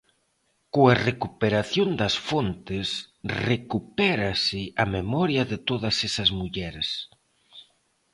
Coa recuperación das fontes, recupérase a memoria de todas esas mulleres.